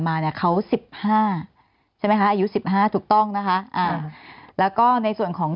มาเนี่ยเขา๑๕ใช่ไหมคะอายุ๑๕ถูกต้องนะคะแล้วก็ในส่วนของ